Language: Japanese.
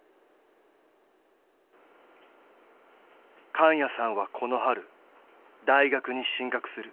神谷さんはこの春大学に進学する